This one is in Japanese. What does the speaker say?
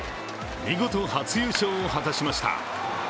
見事、初優勝を果たしました。